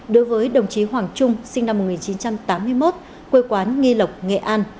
đối với đồng chí hoàng trung sinh năm một nghìn chín trăm tám mươi một quê quán nghi lộc nghệ an